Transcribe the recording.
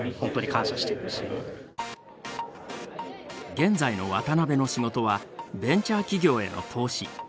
現在の渡辺の仕事はベンチャー企業への投資。